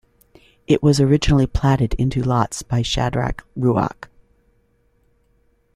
It was originally platted into lots by Shadrach Ruark.